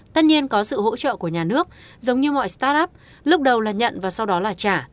tất nhiên có sự hỗ trợ của nhà nước giống như mọi start up lúc đầu là nhận và sau đó là trả